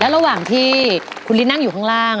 ระหว่างที่คุณฤทธินั่งอยู่ข้างล่าง